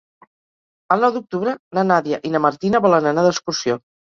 El nou d'octubre na Nàdia i na Martina volen anar d'excursió.